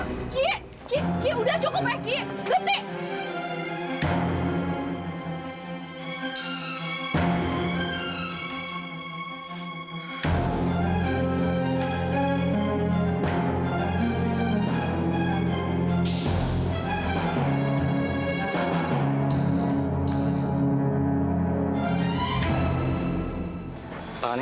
gigi gigi udah cukup ya gigi berhenti